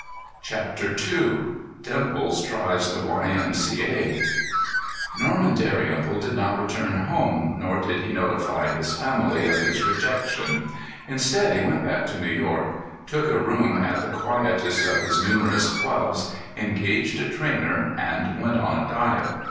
CHAPTER II Dimples Tries the Y. M. C. A. Norman Dalrymple did not return home, nor did he notify his family of his rejection. Instead, he went back to New York, took a room at the quietest of his numerous clubs, engaged a trainer, and went on a diet.